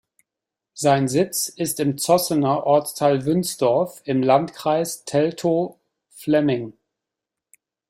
Sein Sitz ist im Zossener Ortsteil Wünsdorf im Landkreis Teltow-Fläming.